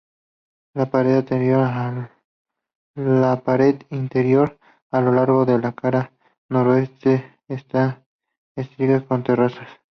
La pared interior a lo largo de la cara noreste es estriada, con terrazas.